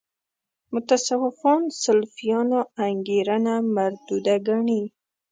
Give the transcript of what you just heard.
متصوفان سلفیانو انګېرنه مردوده ګڼي.